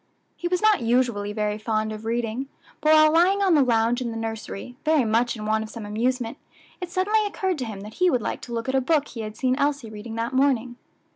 He was not usually very fond of reading, but while lying on the lounge in the nursery, very much in want of some amusement, it suddenly occurred to him that he would like to look at a book he had seen Elsie reading that morning.